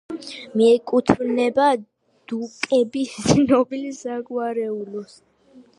მიეკუთვნებოდა დუკების ცნობილ საგვარეულოს.